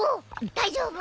大丈夫か。